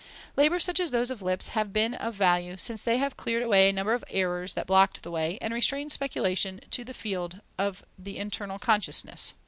Labours such as those of Lipps have been of value, since they have cleared away a number of errors that blocked the way, and restrained speculation to the field of the internal consciousness.